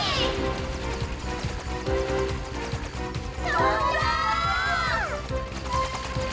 とんだ！